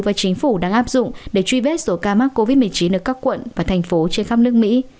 và chính phủ đang áp dụng để truy vết số ca mắc covid một mươi chín ở các quận và thành phố trên khắp nước mỹ